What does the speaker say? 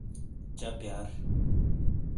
چہ پِییار۔